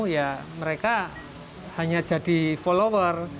ya mereka hanya jadi follower